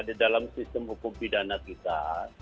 di dalam sistem hukum pidana kita